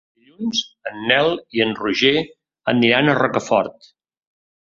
Dilluns en Nel i en Roger aniran a Rocafort.